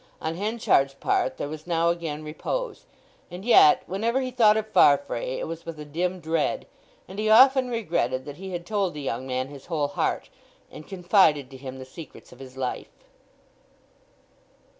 On Henchard's part there was now again repose; and yet, whenever he thought of Farfrae, it was with a dim dread; and he often regretted that he had told the young man his whole heart, and confided to him the secrets of his life.